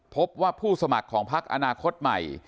พบว่าผู้สมัครของพักอนาคตใหม่